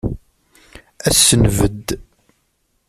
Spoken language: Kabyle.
Ad s-nbedd.